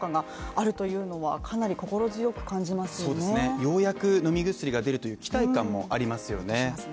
ようやく飲み薬が出るという期待感もありますよね。